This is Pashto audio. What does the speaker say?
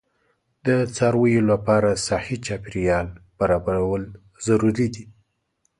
د څارویو لپاره صحي چاپیریال برابرول ضروري دي.